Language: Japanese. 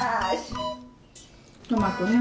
トマトね。